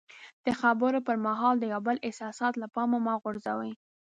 د خبرو پر مهال د یو بل احساسات له پامه مه غورځوئ.